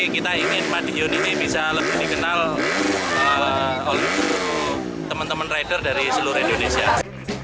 kita ingin madiun ini bisa lebih dikenal oleh teman teman rider dari seluruh indonesia